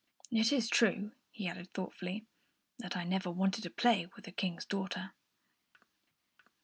It is true," he added thoughtfully, "that I never wanted to play with a King's daughter."